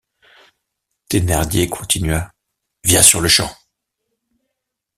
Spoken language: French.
Thénardier continua: —« Viens sur-le-champ...